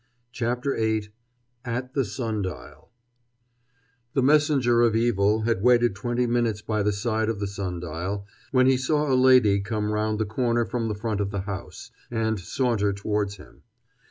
CHAPTER VIII AT THE SUN DIAL The messenger of evil had waited twenty minutes by the side of the sun dial, when he saw a lady come round the corner from the front of the house, and saunter towards him.